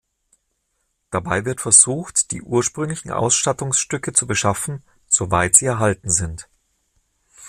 Dabei wird versucht, die ursprünglichen Ausstattungsstücke zu beschaffen, soweit sie erhalten sind.